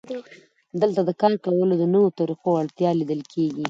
دلته د کار کولو د نویو طریقو اړتیا لیدل کېږي